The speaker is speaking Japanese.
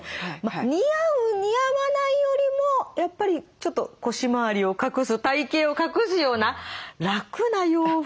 似合う似合わないよりもやっぱりちょっと腰回りを隠す体型を隠すような楽な洋服がいいとか。